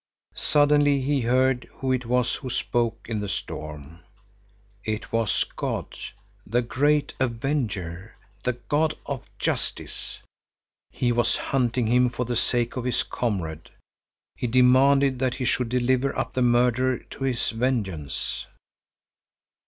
Suddenly he heard who it was who spoke in the storm. It was God, the great Avenger, the God of justice. He was hunting him for the sake of his comrade. He demanded that he should deliver up the murderer to His vengeance.